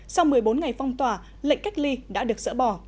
sau một mươi bốn ngày phong tỏa lệnh cách ly đã được dỡ bỏ